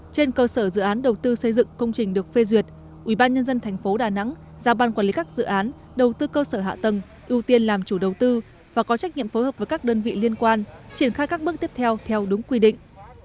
trên cơ sở dự án đầu tư xây dựng công trình được phê duyệt ubnd tp đà nẵng giao ban quản lý các dự án đầu tư cơ sở hạ tầng ưu tiên làm chủ đầu tư và có trách nhiệm phối hợp với các đơn vị liên quan triển khai các bước tiếp theo theo đúng quy định